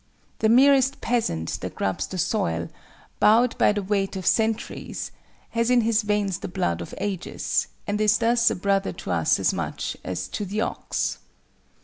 The merest peasant that grubs the soil, "bowed by the weight of centuries," has in his veins the blood of ages, and is thus a brother to us as much as "to the ox."